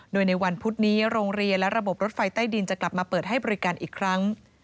โดยในวันพุธนี้โรงเรียนและระบบรถไฟใต้ดินจะกลับมาเปิดให้บริการอีกครั้ง